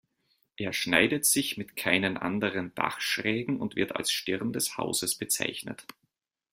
Er schneidet sich mit keinen anderen Dachschrägen und wird als Stirn des Hauses bezeichnet.